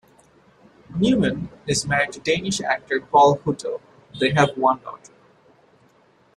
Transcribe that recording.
Neumann is married to Danish actor Paul Hüttel; they have one daughter.